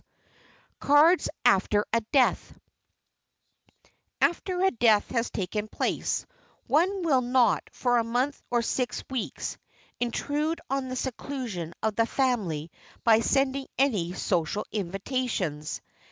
[Sidenote: CARDS AFTER A DEATH] After a death has taken place, one will not for a month or six weeks intrude on the seclusion of the family by sending any social invitations.